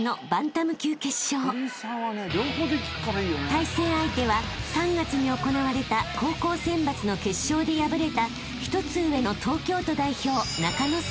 ［対戦相手は３月に行われた高校選抜の決勝で敗れた１つ上の東京都代表］